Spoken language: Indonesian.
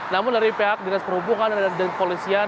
namun dari pihak dinas perhubungan dan dinas pemerintah